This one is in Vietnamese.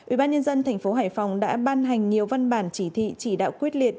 ubnd tp hcm đã ban hành nhiều văn bản chỉ thị chỉ đạo quyết liệt